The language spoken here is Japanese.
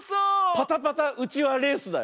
パタパタうちわレースだよ。